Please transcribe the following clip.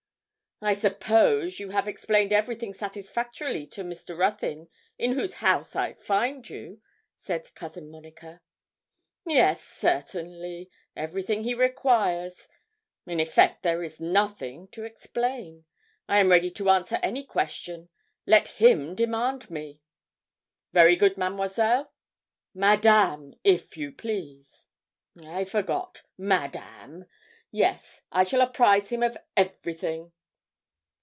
'I suppose you have explained everything satisfactorily to Mr. Ruthyn, in whose house I find you?' said Cousin Monica. 'Yes, certainly, everything he requires in effect there is nothing to explain. I am ready to answer to any question. Let him demand me.' 'Very good, Mademoiselle.' 'Madame, if you please.' 'I forgot Madame yes, I shall apprise him of everything.'